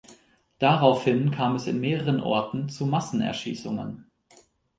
Daraufhin kam es in mehreren Orten zu Massenerschießungen.